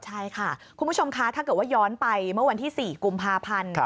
ใช่ค่ะคุณผู้ชมคะถ้าเกิดว่าย้อนไปเมื่อวันที่๔กุมภาพันธ์